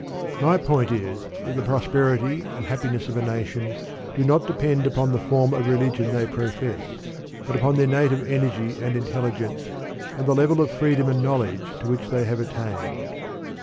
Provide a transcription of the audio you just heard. My point is that the prosperity and happiness of a nation do not depend upon the form of religion they profess, but upon their native energy and intelligence and the level of freedom and knowledge to which they have attained.